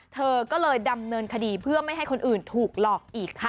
เธอก็เลยดำเนินคดีเพื่อไม่ให้คนอื่นถูกหลอกอีกค่ะ